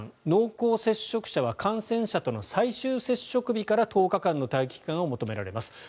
濃厚接触者は感染者との最終接触日から１０日間の待機期間を求められます。